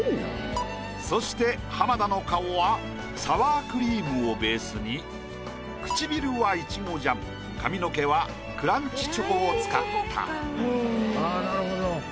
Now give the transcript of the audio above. そして浜田の顔はサワークリームをベースに唇はイチゴジャム髪の毛はクランチチョコを使った。